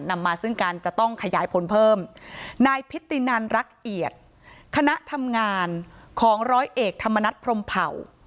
นำมาซึ่งการจะต้องขยายผลเพิ่มนายพิตินันรักเอียดคณะทำงานของร้อยเอกธรรมนัฐพรมเผ่า